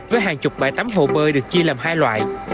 với hàng chục bãi tắm hồ bơi được chia làm hai loại